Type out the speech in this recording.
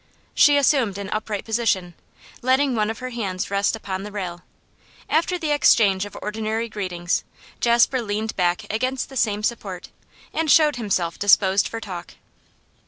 She assumed an upright position, letting one of her hands rest upon the rail. After the exchange of ordinary greetings, Jasper leaned back against the same support and showed himself disposed for talk.